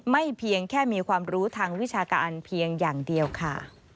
เพียงแค่มีความรู้ทางวิชาการเพียงอย่างเดียวค่ะ